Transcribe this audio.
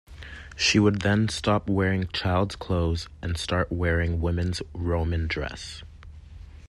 She would then stop wearing child's clothes and start wearing women's Roman Dress.